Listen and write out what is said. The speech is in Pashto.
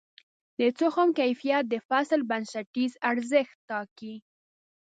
د تخم کیفیت د فصل بنسټیز ارزښت ټاکي.